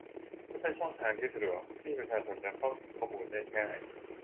และเป็นช่องทางที่สะดวกที่ประชาชนจะเข้าถึงข้อมูลได้ง่าย